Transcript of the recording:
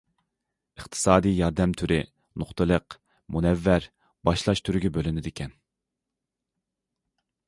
ئىقتىسادىي ياردەم تۈرى- نۇقتىلىق، مۇنەۋۋەر، باشلاش تۈرىگە بۆلۈنىدىكەن.